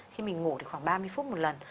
khi mình ngủ thì khoảng ba mươi phút một lần